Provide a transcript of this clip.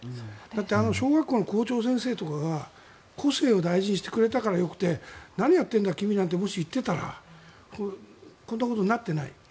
だって、小学校の校長先生とかが個性を大事にしてくれたからよくて何をやってるんだ、君なんてもし言っていたらこんなことになっていない。